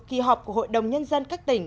kỳ họp của hội đồng nhân dân các tỉnh